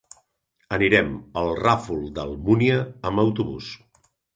Anirem al Ràfol d'Almúnia amb autobús.